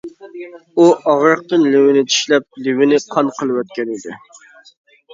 ئۇ ئاغرىقتىن لېۋىنى چىشلەپ لېۋىنى قان قىلىۋەتكەن ئىدى.